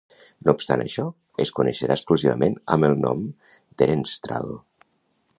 No obstant això, es coneixerà exclusivament amb el cognom Ehrenstrahl.